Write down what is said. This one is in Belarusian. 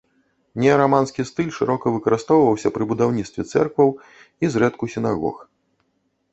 Неараманскі стыль шырока выкарыстоўваўся пры будаўніцтве цэркваў, і, зрэдку, сінагог.